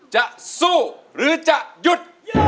จะสู้หรือจะหยุด